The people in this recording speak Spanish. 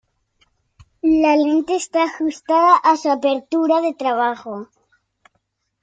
La lente está ajustada a su apertura de trabajo.